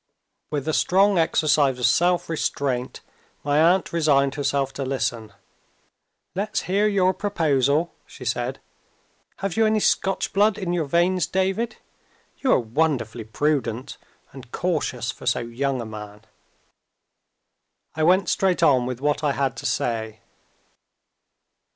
With a strong exercise of self restraint, my aunt resigned herself to listen. "Let's hear your proposal," she said. "Have you any Scotch blood in your veins, David? You are wonderfully prudent and cautious for so young a man." I went straight on with what I had to say.